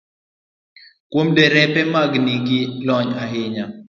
Kuom derepe ma nigi lony ahinya,